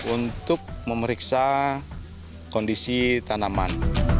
untuk memeriksa kondisi tanaman